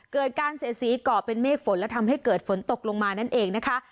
เกิดการเสียสีก่อเป็นเมฆฝนและทำให้เกิดฝนตกลงมานั่นเองนะคะ